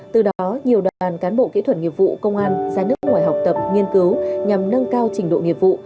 từ đó nhiều đoàn cán bộ kỹ thuật nghiệp vụ công an ra nước ngoài học tập nghiên cứu nhằm nâng cao trình độ nghiệp vụ